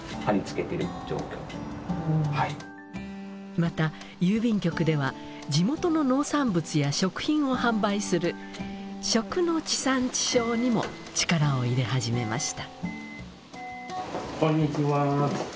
また郵便局では地元の農産物や食品を販売する食の地産地消にも力を入れ始めました。